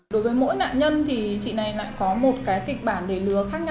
đối với mỗi nạn nhân thì chị này lại có một cái kịch bản để lừa khác nhau